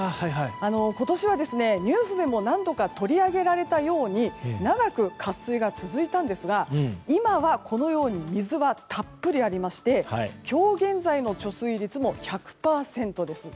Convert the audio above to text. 今年はニュースでも何度か取り上げられたように長く渇水が続いたんですが今はこのように水がたっぷりありまして今日現在の貯水率も１００％です。